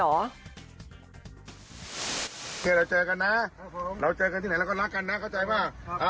โอเคเราเจอกันนะเราเจอกันที่ไหนเราก็รักกันนะก็ใจไหม